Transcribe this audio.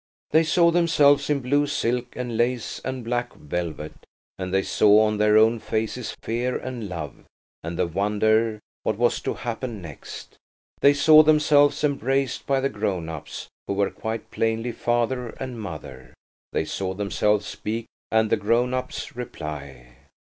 They saw themselves in blue silk and lace and black velvet, and they saw on their own faces fear and love, and the wonder what was to happen next. They saw themselves embraced by the grown ups, who were quite plainly father and mother–they saw themselves speak, and the grown ups reply.